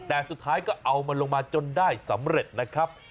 แต่สุดท้ายก็เอามันลงมาจนได้สำเร็จนะครับ